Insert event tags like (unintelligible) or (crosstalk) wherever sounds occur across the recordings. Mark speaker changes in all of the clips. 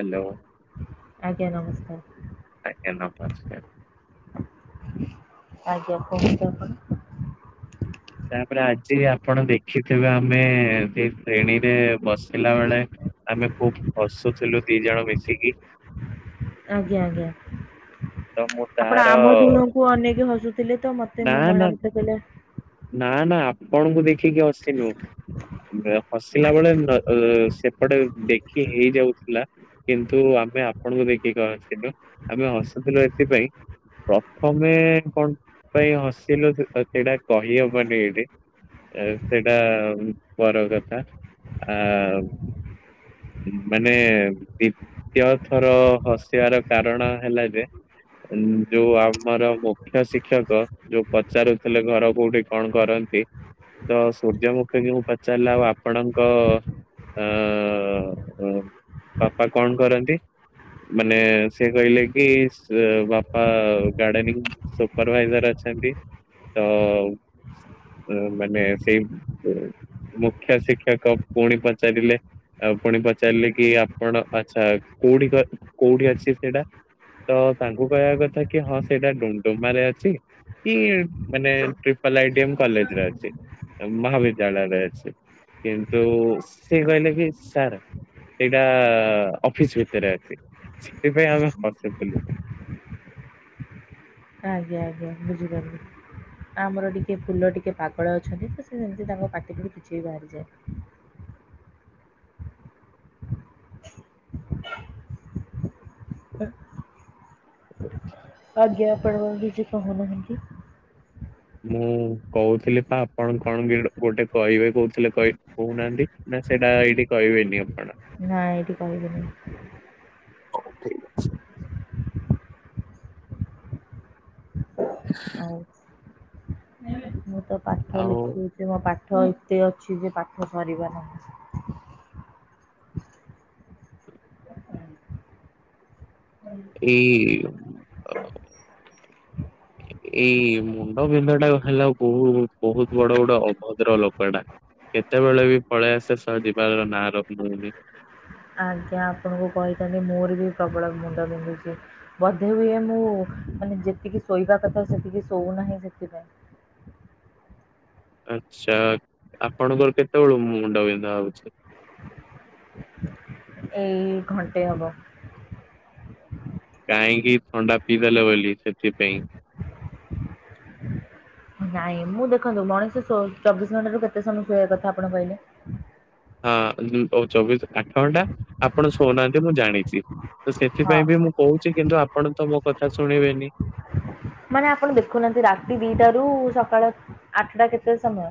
Speaker 1: Hello.
Speaker 2: ଆଜ୍ଞା ନମସ୍କାର୍।
Speaker 1: ଆଜ୍ଞା ନମସ୍କାର।
Speaker 2: ଆଜ୍ଞା। (unintelligible)
Speaker 1: ତାପରେ ଆଜି ଆପଣ ଦେଖିଥିବେ ଆମେ ଶେଣୀ ରେ ବସିଲା ବେଳେ। ଆମେ ଖୁବ୍ ହସୁଥିଲୁ ଦି ଜଣ ମିଶିକି
Speaker 2: ଆଜ୍ଞା ଆଜ୍ଞା
Speaker 1: ତ ମୁଁ
Speaker 2: ଆପଣ
Speaker 1: ତାର
Speaker 2: ଆମ ଦୁଣଙ୍କୁ ଅନେଇକି ହସୁଥିଲେ ତ ମୋତେ
Speaker 1: ନା ନା
Speaker 2: (unintelligible) କହିଲା।
Speaker 1: ନା ନା ଆପଣଙ୍କୁ ଦେଖିକି ହସିନୁ। ହସିଲା ବୋଲେ ଏ ସେପଟେ ଦେଖିକି ହେଇଯାଉଥିଲା। କିନ୍ତୁ ଆମେ ଆପଣଙ୍କୁ ଦେଖିକି ହସିନୁ ଆମେ ହସୁଥିଲୁ ଏଇଥିପାଇଁ ପ୍ରଥମେ କଣ ପାଇଁ ହସିଲୁ ସେ ସେଟା କହିହବନି ଏଇଠି। ଆ ସେଇଟା ପର କଥା ଆ ମାନେ ଡିପ୍ ତୀୟ ଥର ହସିବାର କାରଣ ହେଲା ଯେ ଯୋଉ ଆମର ମୁଖ୍ୟ ଶିକ୍ଷକ ଯୋଉ ପଚାରୁଥିଲେ ଘର କୋଉଠି କଣ କରନ୍ତି ତ ସୁଯ୍ୟମୃଖୀ ଙ୍କୁ ମୁଁ ପଚାରିଲ ଆଉ ଆପଣଙ୍କ ଅ ବାପା କଣ କରନ୍ତି? ମାନେ ସେ କହିଲେକି ବାପା ଗାର୍ଡେନିଙ୍ଗ। ସୁପରଭାଇଜର୍ ଅଛନ୍ତି ତ - ହଁ ମାନେ ସେ ମୁଖ୍ୟ ଶିକ୍ଷକ ପୁଣି ପଚାରିଲେ ଆଉ ପୁଣି ପଚାରିଲେ କି ଆପଣ ଆଛା କୋଉଠି କ କୋଉଠି ଅଛି ସେଇଟା। ତ ତାଙ୍କୁ କହିବା କଥାକି ହଁ ସେଇଟା ଡୁ ଡୁ ଡୁମାରେ ଅଛି କି ମାନେ ଟ୍ରିପଲ୍ ଆଇଡ଼ିଅମ କଲେଜେ ରେ ଅଛି ମହାବିଦ୍ୟାଳୟ ରେ ଅଛି। କିନ୍ତୁ ସେ କହିଲେକି ସାର ସେଇଟା ଅଫିସ ଭିତରେ ଅଛି ସେଇଥିପାଇଁ ଆମେ (unintelligible) ଥିଲୁ।
Speaker 2: ଆଜ୍ଞା ଆଜ୍ଞା ବୁଝିପାରିଲି। ଆମର ଟିକେ ଫୁଲ ଟିକେ ପାଗଳ ଅଛନ୍ତି ତ ସେ ସେମତି ତାଙ୍କ ପାଟିକୁ ବି କିଛି ବି ବାହାରିଯାଏ। ଆଜ୍ଞା ଆପଣ କଣ କିଛି କହୁନାହାନ୍ତି?
Speaker 1: ମୁଁ କହୁଥିଲି ପା ଆପଣ କଣ ଗୋଟେ କହିବେ କହୁଥିଲେ କ କହୁନାହାନ୍ତି ନା ସେଇଟା ଏଇଠି କହିବେନି ଆପଣ?
Speaker 2: ନାଇଁ ଏଇଠି କହିବନି
Speaker 1: (inaudible)
Speaker 2: ହଉ ମୁଁ ତ ପାଠ
Speaker 1: ଆଉ
Speaker 2: ଲେଖିହେଇଯିବ ପାଠ ଏତେ ଅଛି ଯେ ପାଠ ସରିବ ନାହିଁ।
Speaker 1: ଏଇ ଅ, ଏଇ ମୁଣ୍ଡ ବିନ୍ଧା ଟା ହେଲା ବହୁତ୍ ବହୁତ ବଡ ଗଟେ ଅଭଦ୍ର ଲୋକ ଟା। କେତେବେଳେ ବି ପଳେଇ ଆସେ ସହ ଯିଵାର ନାଁ ନଉନି।
Speaker 2: ଆଜ୍ଞା ଆପଣଙ୍କୁ କହିଥାନ୍ତି ମୋର ବି ପ୍ରବଳ ମୁଣ୍ଡ ବିିନ୍ଧୁଛି। ବୋଧେ ହୁଏ ମୁଁ ମାନେ ଯେତିକି ଶୋଇବା କଥା ସେତିକି ଶୋଉନାହିଁ ସେଥିପାଇଁ।
Speaker 1: ଆଚ୍ଛା ଆପଣଙ୍କର କେତେବେଳୁ ମୁଣ୍ଡ ବିିନ୍ଧା ହଉଛି?
Speaker 2: ଏଇ ଘଣ୍ଟେ ହବ।
Speaker 1: କାହିଁକି ଥଣ୍ଡା ପିଇଦେଲ ବୋଲି ସେଥିପାଇଁ।
Speaker 2: ନାଇଁ ମୁଁ ଦେଖନ୍ତୁ ମଣିଷ ସୋ ଚବିଶ ଘଣ୍ଟାରୁ କେତେ ସମୟ ଶୋଇବା କଥା ଆପଣ କହିଲେ?
Speaker 1: ହଁ ଚବିଶ ଆଠ ଘଣ୍ଟା ଆପଣ ଶୋଉନାହାନ୍ତି ମୁଁ ଜାଣିଛି ତ
Speaker 2: ହଁ
Speaker 1: ସେଥିପାଇଁ ବି ମୁଁ କହୁଛି କିନ୍ତୁ ଆପଣ ତ ମୋ କଥା ଶୁଣିବେନି।
Speaker 2: ମାନେ ଆପଣ ଦେଖୁନାହାନ୍ତି ରାତି ଦିଟା ରୁ ସକାଳ ଆଠଟା କେତେ ସମୟ?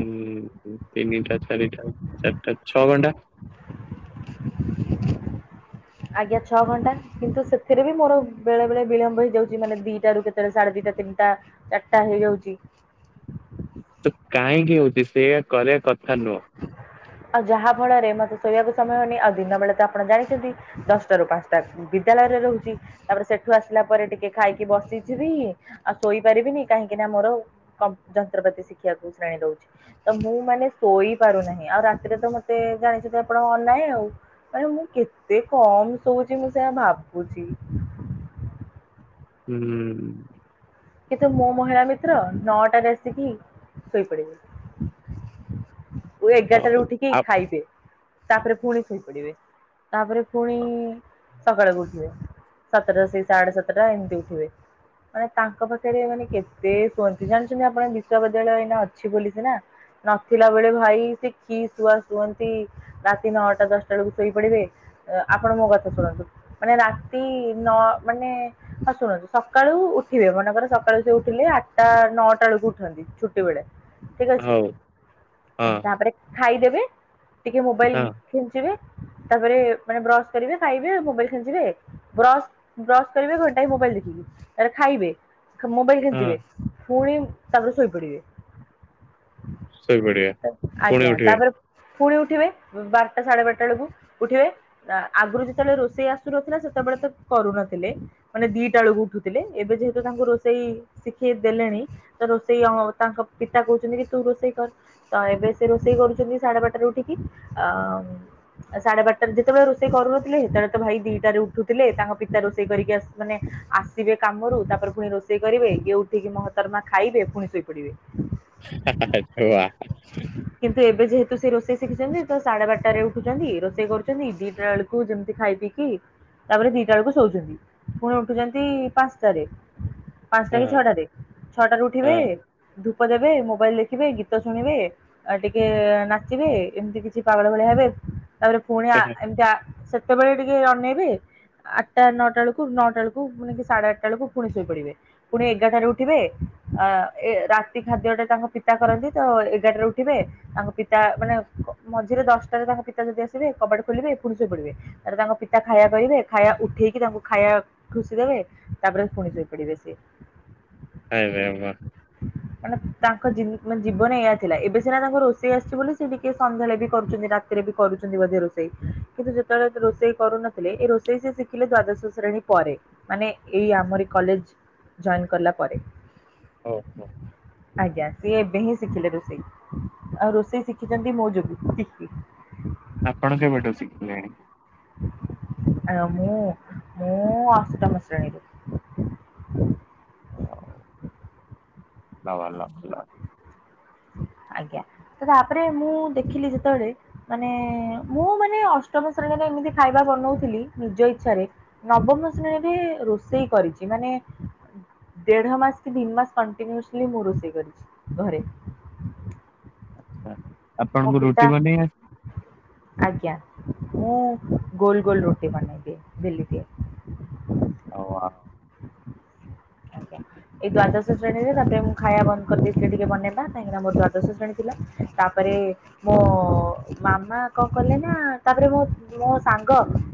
Speaker 1: ହୁଁ ତିନିଟା ଚାରିଟା ଚାରିଟା ଛଅ ଘଣ୍ଟା।
Speaker 2: ଆଜ୍ଞା ଛଅ ଘଣ୍ଟା। କିନ୍ତୁ ସେଥିରେ ବି ମୋର ବେଳେ ବେଳେ ବିଳମ୍ବ ହେଇଯାଉଛି ମାନେ ଦିଟାରୁ କେତେବେଳେ ସାଢେ ଦିଟା ତିନିଟା। ଚାରିଟା ହେଇଯାଉଛି।
Speaker 1: ତ କାହିଁକି ହଉଛି ସେଇା କରିବା କଥା ନୁହଁ।
Speaker 2: ଆଉ ଯାହା ଫଳରେ ମତେ ଶୋଇବାକୁ ସମୟ ହଉନି। ଆଉ ଦିନ ବେଳେ ତ ଆପଣ ଜାଣିଛନ୍ତି। ଦଶଟାରୁ ପାଞ୍ଚଟା ବିଦ୍ୟାଳୟରେ ରହୁଛି। ତାପରେ ସେଠୁ ଆସିଲା ପରେ ଟିକେ ଖାଇକି ବସିଥିବି। ଆଉ ଶୋଇପାରିବିନି। କାହିଁକି ନା ମୋର କମ୍ପ ଯନ୍ତ୍ରପାତି ଶିକ୍ଷିବାକୁ ଶ୍ରେଣୀ ରହୁଛି। ତ ମୁଁ ମାନେ ଶୋଇ ପାରୁନାହିଁ। ଆଉ ରାତିରେ ତ ମତେ ଜାଣିଛନ୍ତି ଆପଣ ଅନାଏ ଆଉ। ମାନେ ମୁଁ କେତେ କମ ଶୋଉଛି ମୁଁ ସେୟା ଭାବୁଛି।
Speaker 1: ହୁଁ।
Speaker 2: କିନ୍ତୁ ମୋ ମହିଳା ମିତ୍ର ନଅଟାରେ ଆସିକି ଶୋଇପଡିବେ। ଏଗାରଟା ରେ
Speaker 1: ହଉ
Speaker 2: ଉଠିକି
Speaker 1: ଆ
Speaker 2: ଖାଇବେ ତାପରେ ପୁଣି ଶୋଇପଡିବେ। ତାପରେ ପୁଣି ସକାଳକୁ ଉଠିବେ। ସାତଟା ସେ ସାଢଡେ ସାତଟା ଏମିତି ଉଠିବେ। ମାନେ ତାଙ୍କ ତାଙ୍କ ପାଖରେ ମାନେ କେତେ ଶୁଅନ୍ତି। ଜାଣିଛନ୍ତି ଆପଣ ବିଶ୍ୱବିଦ୍ୟାଳୟ ଏଇନା ଅଛି ବୋଲି ସିନା। ନଥିଲା ବେଳେ ଭାଇ ସେ କି ଶୁଆ ଶୁଅନ୍ତି। ରାତି ନଅଟା ଦଶଟା ବେଳକୁ ଶୋଇପଡିବେ। ଆପଣ ମୋ କଥା ଶୁଣନ୍ତୁ। ମାନେ ରାତି ନ ମାନେ ହଁ ଶୁଣନ୍ତୁ ସକାଳୁ ଉଠିବେ। ମାନେ ଧର ସକାଳୁ ସେ ଉଠିଲେ ଆଟା ନଅଟା ବେଳକୁ ଉଠନ୍ତି ଛୁଟି ବେଳେ। ଠିକ ଅଛି।
Speaker 1: ହଉ ହଁ
Speaker 2: ତାପରେ ଖାଇଦେବେ। ଟିକେ ମୋବାଇଲ
Speaker 1: ହଁ
Speaker 2: ଖେଞ୍ଚିବେ ତାପରେ ମାନେ ବ୍ରଶ କରିବେ ଖାଇବେ। ମୋବାଇଲ ଖେଞ୍ଚିବେ। ବ୍ରସ୍ ବ୍ରସ୍ କରିବେ ଘଣ୍ଟା ଏ ମୋବାଇଲ ଦେଖିକି। ତାପରେ ଖାଇବେ। ମୋବାଇଲ
Speaker 1: ହଁ
Speaker 2: ଖେଞ୍ଚିବେ ପୁଣି ତାପରେ ଶୋଇପଡିବେ।
Speaker 1: ଶୋଇପଡିବେ ପୁଣି
Speaker 2: ଆଜ୍ଞା
Speaker 1: ଉଠିବେ
Speaker 2: ତାପରେ ପୁଣି ଉଠିବେ ବାରଟା ସାଢେ ବାରଟା ବେଳକୁ ଉଠିବେ। ନା ଆଗରୁ ଯେତେବେଳେ ରୋଷେଇ ଆସୁନଥିଲା ସେତେବେଳେ ତ କରୁନଥିଲେ। ମାନେ ଦିଟା ବେଳକୁ ଉଠୁଥିଲେ। ଏବେ ଯେହେତୁ ତାଙ୍କ ରୋଷ ଷେଇ ଶିଖେଇ ଦେଲେଣି। ତ ରୋଷେଇ ଅ ତାଙ୍କ ପିତା କହୁଛନ୍ତି କି ତୁ ରୋଷେଇ କର। ତ ଏବେ ସେ ରୋଷେଇ କରୁଛନ୍ତି ସାଢେ ବାଟାରେ ଉଠିକି। ଆ ସାଢେ ବାରଟାରେ ଯେତେବେଳେ ରୋଷେଇ କରୁନଥିଲେ ସେତେବେଳେ ତ ଭାଇ ଦିଟାରେ ଉଠୁଥିଲେ। ତାଙ୍କ ପିତା ରୋଷେଇ କରିକି ଆସ ମାନେ ଆସିବେ କାମରୁ। ତାପରେ ପୁଣି ରୋଷେ ଇ କରିବେ। ଗିଏ ଉଠିକି ମୋ ହାତରମା ଖାଇବେ। ପୁଣି ଶୋଇପଡିବେ।
Speaker 1: ହା ହା ହୁ ଆ।
Speaker 2: କିନ୍ତୁ ଏବେ ଯେହେତୁ ସେ ରୋଷେଇ ଶିଖିଛନ୍ତି। ତ ସାଢେ ବାରଟାରେ ଉଠୁଛନ୍ତି। ରୋଷେଇ କରୁଛନ୍ତି। ଦିଟା ବେଳ ଯେମିତି ଖାଇ ପିଇକି ତାପରେ ଦିଟା ବେଳକୁ ଶୋଉଛନ୍ତି। ପୁଣି ଉଠୁଛନ୍ତି ପାଞ୍ଚଟାରେ। ପାଞ୍ଚଟା କି
Speaker 1: ହଁ
Speaker 2: ଛଅଟାରେ ଛଅଟାରେ ଉଠିବେ।
Speaker 1: ହଁ
Speaker 2: ଧୂପ ଦେବେ ମୋବାଇଲ ଦେଖିବେ ଗୀତ ଶୁଣିବେ। ଟିକେ ନାଚିବେ। ଏମିତି କିଛି ପାଗଳ ଭଳିଆ ହେବେ। ତାପରେ ପୁଣି ଆ ଏମିତି ଆ ସେତେବେଳେ ଟିକେ ଅନେଇବେ। ଆଠଟା ନଅଟା ବେଳକୁ ନଅଟା ବେଳକୁ ମାନେ କି ସାଢେ ଆଠଟା ବେଳକୁ ପୁଣି ଶୋଇପଡିବେ। ପୁଣି ଏଗାରଟାରେ ଉଠିବେ। ଆ ଏ ରାତି ଖାଦ୍ୟଟା ତାଙ୍କ ପିତା କରନ୍ତି। ତ ଏଗାରଟାରେ ଉଠିବେ। ତାଙ୍କ ପିତା ମାନେ ମଝିରେ ଦଶଟାରେ ତାଙ୍କ ପିତା ଯଦି ଆସିବେ କବାଟ ଖୋଲିବେ। ପୁଣି ଶୋଇପଡିବେ। ତାର ତାଙ୍କ ପିତା ଖାଇବା କହିବେ। ଖାଇବା ଉଠେଇକି ତାଙ୍କୁ ଖାଇବା ଖୁସି ଦେବେ। ତାପରେ ପୁଣି ଶୋଇ ପଡିବେ ସିଏ।
Speaker 1: ଆବେ ଆ ବା।
Speaker 2: ମାନେ ତାଙ୍କ ଜି ମାନେ ଜୀବନ ଏଇଆ ଥିଲା। ଏବେ ସିନା ତାଙ୍କୁ ରୋଷେଇ ଆସିଛି ବୋଲି ସିଏ ଟିକେ ସନ୍ଧ୍ୟାବେଳେ କରୁଛନ୍ତି। କା ରେ ବି ଏବେ କରୁଛନ୍ତି ବୋଧେ ରୋଷେଇ। କିନ୍ତୁ ଯେତେବେଳେ ରୋଷେଇ କରୁନଥିଲେ ଏ ରୋଷେଇ ସେ ଶିଖିଲେ ଦ୍ଵାଦଶ ଶ୍ରେଣୀ ପରେ। ମାନେ ଏଇ ଆମରି କଲେଜ ଜଏନ୍ କଲା ପରେ।
Speaker 1: ହଉ ହଉ।
Speaker 2: ଆଜ୍ଞା ସିଏ ଏବେ ହିଁ ଶିଖିଲେ ଋଷେଇ। ଆଉ ରୋଷେଇ ଶିଖିଛନ୍ତି ମୋ ଜୋଗୁ।
Speaker 1: ଆପଣ କେବେଠୁ ଶିଖିଲେଣି।
Speaker 2: ଆ ମୁଁ ମୁଁ ଅଷ୍ଟମ ଶ୍ରେଣୀରୁ।
Speaker 1: (unintelligible) ଭଲ ଲ ଲ
Speaker 2: ଆଜ୍ଞା ସେ ଯୋଉ ଆପରେ ମୁଁ ଦେଖିଲି ଯେତେବେଳେ। ମାନେ ମୁଁ ମାନେ ଅଷ୍ଟମ ଶ୍ରେଣୀରେ ଏମିତି ଖାଇବା ବନଉଥିଲି ନିଜ ଇଛାରେ। ନବମ ଶ୍ରେଣୀରେ ରୋଷେଇ କରିଛି ମାନେ। ଦେଢ ମାସ କି ଦିମାସ କଣ୍ଟିନିୟୁସ୍ଲି ମୁଁ ରୋଷେଇ କରିଛି ଘରେ।
Speaker 1: ଆଛା
Speaker 2: ମୋ
Speaker 1: ଆପଣଙ୍କୁ
Speaker 2: ପିତା
Speaker 1: ରୁଟି ବନେଇ ଆସ।
Speaker 2: ଆଜ୍ଞା ମୁଁ ଗୋଲ ଗୋଲ ରୁଟି ବନେଇଦିଏ ବେଲି ଦିଏ।
Speaker 1: ହଉ ଆ
Speaker 2: ଆଜ୍ଞା। ଏଇ ଦ୍ଵାଦଶ ଶ୍ରେଣୀରେ ତାପରେ ମୁଁ ଖାଇବା ବନ୍ଦ କରିଦେଇଥିଲି ଟିକେ ବନେଇବା କାହିଁକିନା ମୋର ଦ୍ଵାଦଶ ଶ୍ରେଣୀ ଥିଲା ତାପରେ। ମୋ ମାମା କଣ କଲେ ନା ତାପରେ ମୋ ମୋ ସାଙ୍ଗ।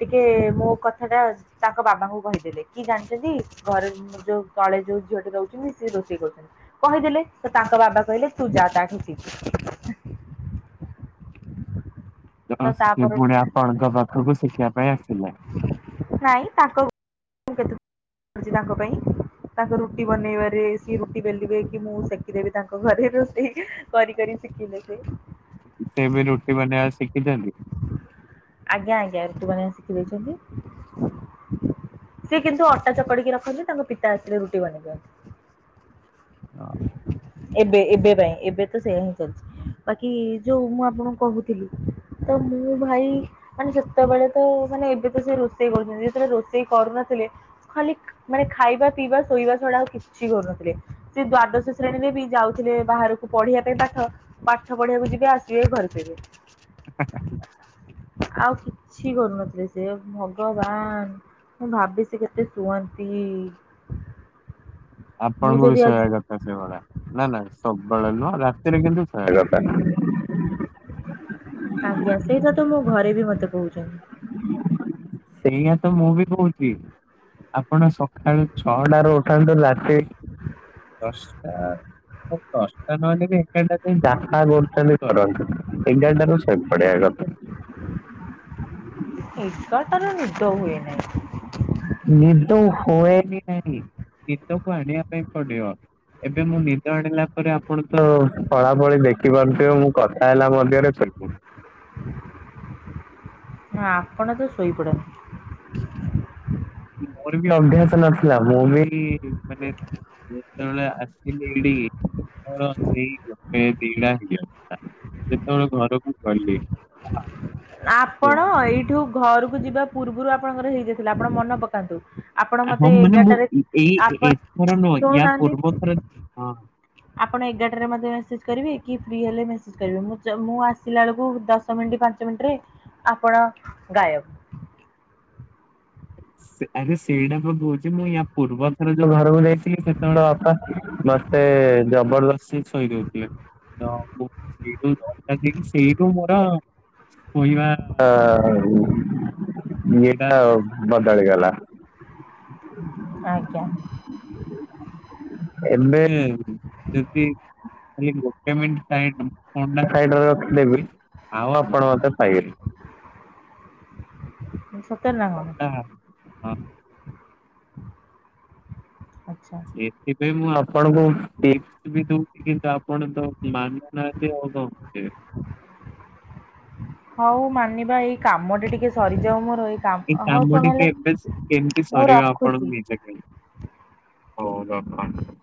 Speaker 2: ଟିକେ ମୋ କଥା ଟା ତାଙ୍କ ବାବାଙ୍କୁ କହିଦେଲେ କି ଜାଣିଛନ୍ତି ଘରେ ଉ ଯୋଉ ତଳେ ଯୋଉ ଝିଅଟି ରହୁଛନ୍ତି ସିଏ ରୋଷେଇ କରୁଛନ୍ତି। କହିଦେଲେ ତ ତାଙ୍କ ବାବା କହିଲେ ତୁଜା ତାଠୁ ସିକି।
Speaker 1: ତ ସେ ପୁଣି ଆପଣଙ୍କ ପାଖକୁ ଶିଖିବା ପାଇଁ ଆସିଲା।
Speaker 2: ନାଇଁ ତାଙ୍କ ମୁ କେତାଙ୍କ ପାଇଁ। ତାଙ୍କ ରୁଟି ବନେଇବାରେ ସିଏ ରୁଟି ବେଲିବେ କି ମୁଁ ସେକିଦେବି ତାଙ୍କ ଘରେ ରୋଶେଇ। କରିି କରି ସିଖିିଲେ ସେ।
Speaker 1: ସେ ବି ରୁଟି ବନେଇବା ଶିଖିଛନ୍ତି।
Speaker 2: ଆଜ୍ଞା ଆଜ୍ଞା ରୁଟି ବନିବା ଶିଖି ଦେଇଛନ୍ତି। ସେ କିନ୍ତୁ ଅଟା ଚକଡିକି ରଖନ୍ତି ତାଙ୍କ ପିତା ଆସିଲେ ରୁଟି ବନେଇଦିଅନ୍ତି। (inaudible) ଏବେ ଏବେ ପାଇଁ ଏବେ ତ ସେଇୟା ହିଁ ଚାଲିଛି ବାକି ଯୋଉ ମୁଁ ଆପଣଙ୍କୁ କହୁଥିଲି। ତ ମୁଁ ଭାଇ। ମାନେ ସେତେବେଳେ ତ ମାନେ ଏବେ ତ ସେ ରୋଷେଇ କରୁଛନ୍ତି ଯେତେବେଳେ ରୋଷେଇ କରୁନଥିଲେ। ଖାଲି ମାନେ ଖାଇବା ପିଇବା ଶୋଇବା ଛଡା ଆଉ କିଛି କରୁନଥିଲେ। ସେ ଦ୍ଵାଦଶ ଶ୍ରେଣୀରେ ବି ଯାଉଥିଲେ ବାହାରକୁ ପଢିବା ପାଇଁ ପାଠ। ପାଠ ପଢିବାକୁ ଯିବେ ଆସିବେ ଘରେ ଶୋଇବେ।
Speaker 1: (unintelligible)
Speaker 2: ଆଉ କିଛି କରୁନଥିଲେ ସେ ଭଗବାନ ମୁଁ ଭାବେ ସେ କେତେ ଶୁଅନ୍ତି ମୁଁ
Speaker 1: ଆପଣଙ୍କ
Speaker 2: ଯଦି
Speaker 1: ବିଷୟ
Speaker 2: ଆଜି
Speaker 1: ଆଗ ସେ ସେଭଳିଆ ନା ନା ସବୁବେଳେ ନୁହଁ ରାତିରେ କିନ୍ତୁ (unintelligible)
Speaker 2: ଆଜ୍ଞା ସେଇଟା ତ ମୋ ଘରେ ବି ମତେ କହୁଛନ୍ତି।
Speaker 1: ସେୟା ତ ମୁଁ ବି କହୁଛି ଆପଣ ସକାଳୁ ଛଅଟା ରୁ ଉଠାନ୍ତୁ ରାତି ଦଶଟା ଦଶଟା ନହେଲେ ବି ଏଗାରଟା ଯାଏ ଯାହା କରୁଛନ୍ତି କରନ୍ତୁ ଏଗାରଟାରୁୁ ଶୋଇପଡିଆ କଥା
Speaker 2: ଏଗାରଟାର ନିଦ ହୁଏ ନାଇଁ
Speaker 1: ନିଦ ହୁଏନି ନହିଁ ନିଦକୁ ଆଣିବା ପାଇଁ ପଡିବ ଏବେ ମୁଁ ନିଦ ଆଣିଲା ପରେ ଆପଣ ତ ପଳା ଫଳି ଦେଖିପାରୁଥିବେ ମୁଁ କଥା ହେଲା ମଧ୍ୟରେ ଶୋଇ ପଡୁଛି।
Speaker 2: ନା ଆପଣ ତ ଶୋଇପଡ଼ନ୍ତି।
Speaker 1: ମୋର ବି ଅଭ୍ୟାସ ନଥିଲା ମୁଁ ବି ମାନେ ଯେତେବେଳେ ଆସିଲି ଏଇଠି ମୋର ସେଇ ଗୋଟେ ଦିଡା ହେଇଯ ଯେତେବେଳେ ଘରକୁ ଗଲି
Speaker 2: ଆପଣ ଏଇଠୁ ଘରକୁ ଯିବା ପୂର୍ବରୁ ଆପଣଙ୍କର ହେଇଯାଇଥିଲା ଆପଣ ମନ ପକାନ୍ତୁ ଆପଣ ମତେ
Speaker 1: ହଁ ମାନେ ମୁଁ
Speaker 2: ଏଗାରଟାରେ
Speaker 1: ଏଇ
Speaker 2: ଆପଣ
Speaker 1: ଏଥର ନୁହ ୟା
Speaker 2: ଶୁଣୁନାହାନ୍ତି
Speaker 1: ପୂର୍ବ ଥର ହଁ
Speaker 2: ଆପଣ ଏଗାରଟାରେ ମୋତେ ମେସେଜ କରିବେ କି ଫ୍ରି ହେଲେ ମେସେଜ୍ କରିବେ ମୁ ଚ ମୁଁ ଆସିଲା ବେଳକୁ ଦଶ ଦଶ ମିନିଟ ପାଞ୍ଚ ମିନିଟ୍ରେ ଆପଣ ଗାଏବେ ହ (inaudible)
Speaker 1: ସେ- ଆରେ ସେଇଟା ପ କହୁଛି ମୁଁ ୟା ପୂର୍ବ ଥର ଯୋଉ ଘର ବୁ ଯାଇଥିଲି ସେତେବେଳେ ବାପା ମୋତେ ଜବରଦସ୍ତି ଶୋଇ ଦଉଥିଲେ। ତ ମୁଁ ସେଇଠୁ (unintelligible) ହେଇକି ସେଇଠୁ ମୋର କହିବା ଇଏଟା ଆଉ ବଦଳିଗଲା।
Speaker 2: ଆଜ୍ଞା।
Speaker 1: ଏବେ ଯଦି ଖାଲି ଗୋଟେ ମିନଟ୍ ଟାଇମ୍ ଦବୁ, ଅଣ୍ଡା ଖାଇଦବ ରଖିଲେ ବି ଆଉ ଆଉପଣ ମୋତେ ପାଇବେନି।
Speaker 2: (inaudible) ସତରେ ନା
Speaker 1: ଫୋନ୍
Speaker 2: କଣ?
Speaker 1: ଟା ହଁ।
Speaker 2: ଆଚ୍ଛା।
Speaker 1: ସେଥିପାଇଁ ମୁଁ ଆପଣଙ୍କୁ ଟିସ୍ପ ବି ଦଉଛି କିନ୍ତୁ ଆପଣ ତ ମାନୁ ନାହାନ୍ତି ଆଉ କଣ (unintelligible)
Speaker 2: ହଉ ମାନିବା ଏଇ କାମ ଟା ଟିକେ ସରିଯାଉ ମୋର।
Speaker 1: ଏଇ
Speaker 2: ହଉ
Speaker 1: କାମ
Speaker 2: ଶୁଣ
Speaker 1: ଟି
Speaker 2: ହେଲେ
Speaker 1: କେବେ ସେ କେମତି
Speaker 2: ମୁଁ
Speaker 1: ସରିବ ଆପଣ
Speaker 2: ରଖୁଛି
Speaker 1: ନିଜେ କହିଲେ? ହଉ ହଉ ରଖନ୍ତୁ।